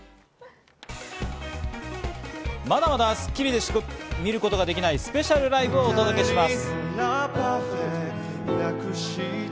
まだまだ『スッキリ』でしか見ることができないスペシャルライブをお届けします。